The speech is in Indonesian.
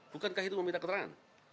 bukankah itu meminta keterangan